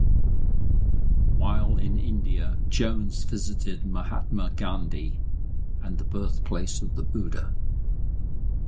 While in India, Jones visited Mahatma Gandhi and the birthplace of the Buddha.